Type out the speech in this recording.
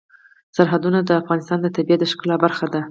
سرحدونه د افغانستان د طبیعت د ښکلا برخه ده.